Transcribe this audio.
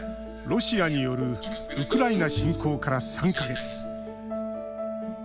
ロシアによるウクライナ侵攻から３か月。